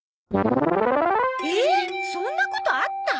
ええそんなことあった？